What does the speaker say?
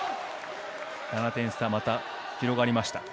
７点差、また広がりました。